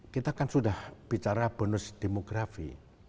kita kan sudah bicara bonus demografi